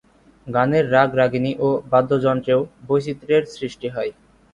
গানের রাগ-রাগিণী ও বাদ্যযন্ত্রেও বৈচিত্র্যের সৃষ্টি হয়।